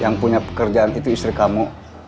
yang punya pekerjaan itu istri kamu